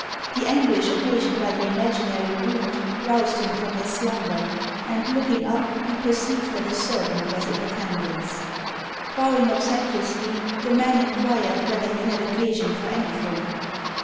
The anguish occasioned by the imaginary wound roused him from his slumber, and looking up, he perceived that a servant was in attendance. Bowing obsequiously, the man inquired whether he had occasion for anything.